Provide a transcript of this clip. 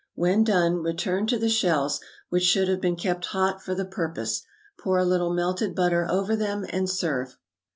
When done, return to the shells, which should have been kept hot for the purpose; pour a little melted butter over them, and serve.